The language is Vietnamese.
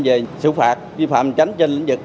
về sự phạt vi phạm tránh trên lĩnh vực